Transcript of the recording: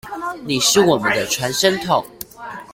你是我們的傳聲筒